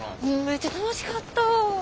めっちゃ楽しかった。